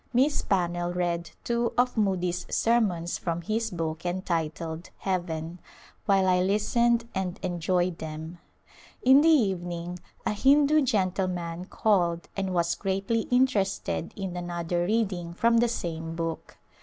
Miss Pannell read two of Moody's sermons from his book entitled " Heaven," while I listened and enjoyed them. In the evening a Hindu gentleman called and was greatly interested in another reading from the same book.